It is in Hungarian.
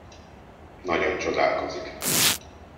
Nagyon csodálkozik.